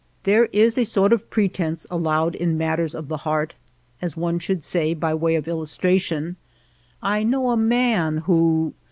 There is a sort of pretense allowed in matters of the heart, as one should say by way of illustration, " I know a man who